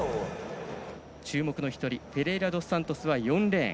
注目の１人フェレイラドスサントスは４レーン。